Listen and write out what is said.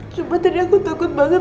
cuma tadi aku takut banget